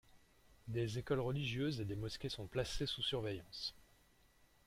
Des écoles religieuses et des mosquées sont placées sous surveillance.